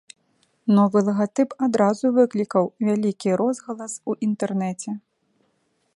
Новы лагатып адразу выклікаў вялікі розгалас у інтэрнэце.